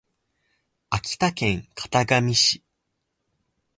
秋田県潟上市